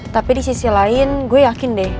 tapi di sisi lain gue yakin deh